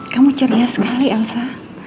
kamu ceria sekali elsa